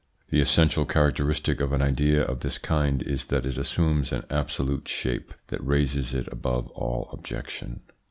The essential characteristic of an idea of this kind is that it assumes an absolute shape that raises it above all objection.